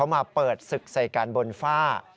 ใส่กันบนฝ้า